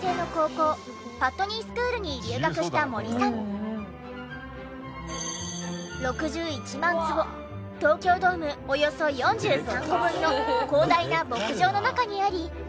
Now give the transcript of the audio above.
私６１万坪東京ドームおよそ４３個分の広大な牧場の中にあり。